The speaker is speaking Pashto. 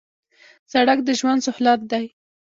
سړک د ژوند سهولت دی